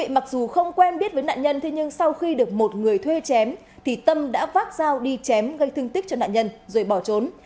mặc dù không quen biết với nạn nhân nhưng sau khi được một người thuê chém thì tâm đã vác dao đi chém gây thương tích cho nạn nhân rồi bỏ trốn